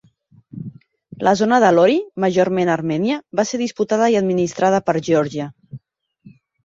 La zona de Lori, majorment armènia, va ser disputada i administrada per Geòrgia.